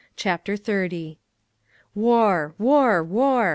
CHAPTER THIRTIETH. "War, war, war!